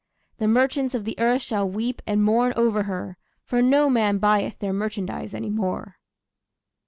The merchants of the earth shall weep and mourn over her, For no man buyeth their merchandise any more.